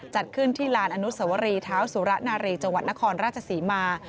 จัดขึ้นที่ลานอนุสวรีเท้าสุระนารีจังหวัดนครราชศรีมา